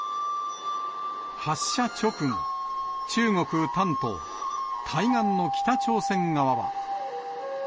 発射直後、中国・丹東、対岸の北朝鮮側は。